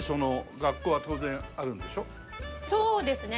そうですね。